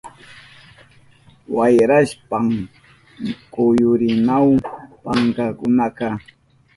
Wayrashpan kuyurinahun pankakunaka.